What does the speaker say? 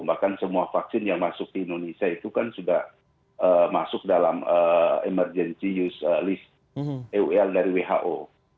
bahkan semua vaksin yang masuk ke indonesia itu kan sudah masuk dalam emergency use list eul dari who